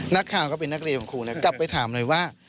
นักข่าวก็เป็นนักเรียนของครูกลับไปถามเลยว่า